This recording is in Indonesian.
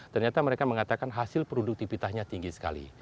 ternyata mereka mengatakan hasil produktivitasnya tinggi sekali